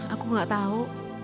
aku tidak tahu